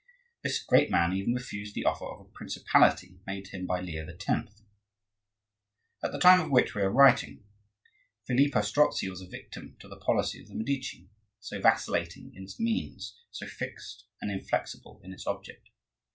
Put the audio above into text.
This great man even refused the offer of a principality made to him by Leo X. At the time of which we are now writing Filippo Strozzi was a victim to the policy of the Medici, so vacillating in its means, so fixed and inflexible in its object.